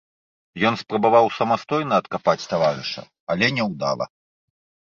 Ён спрабаваў самастойна адкапаць таварыша, але няўдала.